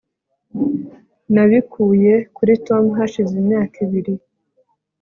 nabikuye kuri tom hashize imyaka ibiri